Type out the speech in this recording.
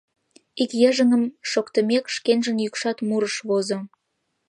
Ик йыжыҥым шоктымек, шкенжын йӱкшат мурыш возо.